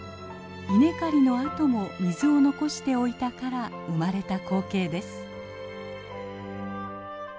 稲刈りのあとも水を残しておいたから生まれた光景です。